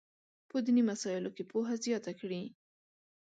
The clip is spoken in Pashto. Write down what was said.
په دیني مسایلو کې پوهه زیاته کړي.